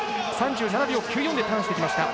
３７秒９４でターンしていきました。